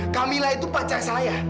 kamilah itu pacar saya